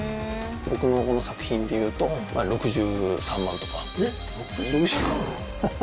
僕のこの作品でいうと、６３万とか。